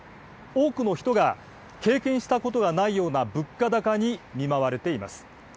多くの人が経験したことがないような物価高に見舞われています。